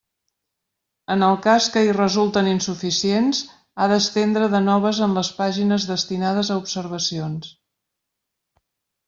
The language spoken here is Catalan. En el cas que hi resulten insuficients, ha d'estendre de noves en les pàgines destinades a observacions.